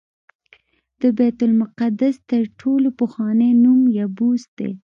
د بیت المقدس تر ټولو پخوانی نوم یبوس دی.